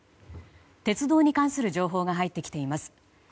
鉄道に関する情報が入ってきています。